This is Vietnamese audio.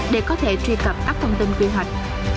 để có thể truy cập các thông tin quy hoạch